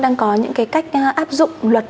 đang có những cái cách áp dụng luật